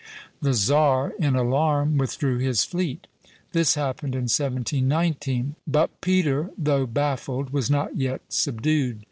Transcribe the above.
The czar in alarm withdrew his fleet. This happened in 1719; but Peter, though baffled, was not yet subdued.